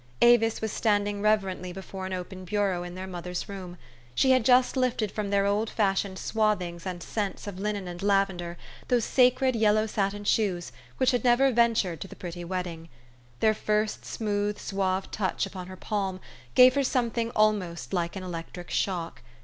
Avis was standing reverent ly before an open bureau in their mother's room. She had just lifted from their old fashioned swathings and scents of linen and lavender those sacred yellow satin shoes which had never ventured to the pretty wed ding. Their first smooth, suave touch upon her palm gave her something almost like an electric shock.